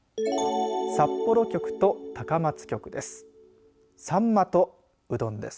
札幌局と高松局です。